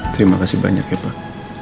terima kasih banyak ya pak